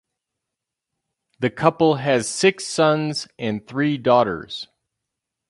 The couple has six sons and three daughters.